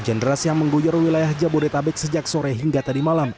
hujan deras yang mengguyur wilayah jabodetabek sejak sore hingga tadi malam